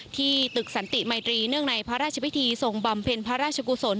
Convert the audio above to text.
ที่ตึกสันติมัยตรีเนื่องในพระราชพิธีทรงบำเพ็ญพระราชกุศล